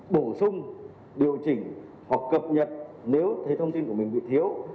bổ sung điều chỉnh hoặc cập nhật nếu thấy thông tin của mình bị thiếu